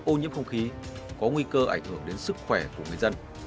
ô nhiễm không khí có nguy cơ ảnh hưởng đến sức khỏe của người dân